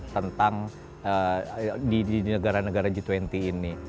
tentang di negara negara g dua puluh ini